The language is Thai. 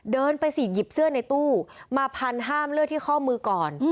เดินไปสิหยิบเสื้อในตู้มาพันห้ามเลือดที่ข้อมือก่อน